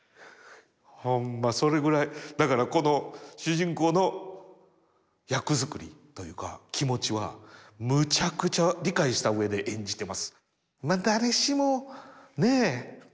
ほんまそれぐらいだからこの主人公の役作りというか気持ちはむちゃくちゃ理解したうえで演じてます。